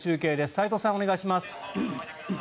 齋藤さん、お願いします。